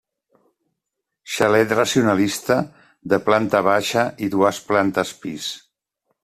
Xalet racionalista de planta baixa i dues plantes pis.